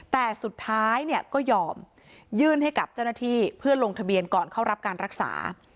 แต่สุดท้ายเนี่ยก็ยอมยื่นให้กับเจ้าหน้าที่เพื่อลงทะเบียนก่อนเข้ารับการรักษา